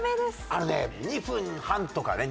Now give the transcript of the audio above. あのね２分半とかね